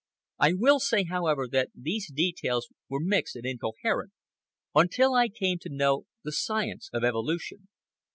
I will say, however, that these details were mixed and incoherent until I came to know the science of evolution.